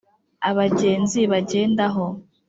Abagenzi bagendaho .